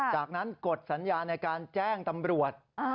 จากนั้นกดสัญญาในการแจ้งตำรวจ